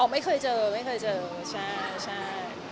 อ้อไม่เคยเจอใช่